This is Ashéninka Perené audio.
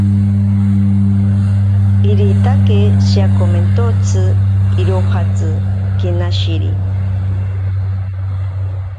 Iritake shiakomentotsi irojatsi kenashiri.